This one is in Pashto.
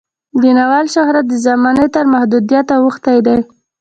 د ناول شهرت د زمانې تر محدودیت اوښتی دی.